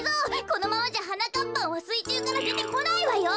このままじゃはなかっぱんはすいちゅうからでてこないわよ。